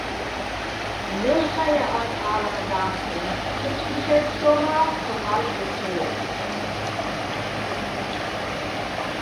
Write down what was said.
მელ' ხაჼ ჲა ას ა́რაყ და́ხწიჼ, ცო ჭირხე́თ სოჼ მა́ თოყა́ლ ხილ ცო ჲაგე̆.